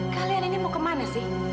kalian ini mau kemana sih